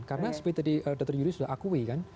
karena seperti tadi dr yuri sudah akui kan